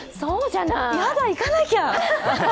やだ、行かなきゃ！